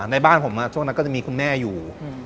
ในบ้านผมช่วงนั้นก็จะมีคุณแม่อยู่